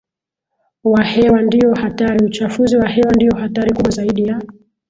wa hewa ndio hatariUchafuzi wa hewa ndio hatari kubwa zaidi ya